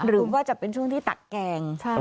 หรือว่าจะเป็นช่วงที่ตักแกง